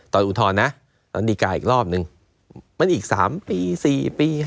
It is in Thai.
ตอนอุทธอนนะตอนดีกายอีกรอบนึงมันอีก๓ปี๔ปี๕ปี